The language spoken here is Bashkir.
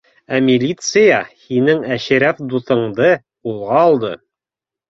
— Ә милиция һинең Әшрәф дуҫыңды ҡулға алды